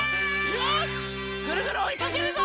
よしぐるぐるおいかけるぞ！